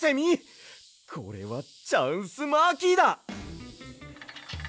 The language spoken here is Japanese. これはチャンスマーキーだ！